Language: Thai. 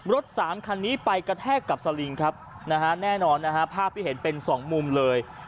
รถ๓คันนี้ไปกระแทกกับสลิงครับแน่นอนภาพที่เห็นเป็น๒มุมเลย